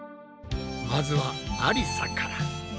まずはありさから。